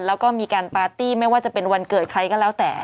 แล้วก็มีการปาร์ตี้ไม่ว่าจะเป็นวันเกิดใครก็แล้วแต่